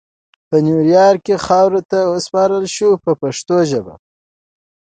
په نیویارک کې خاورو ته وسپارل شو په پښتو ژبه.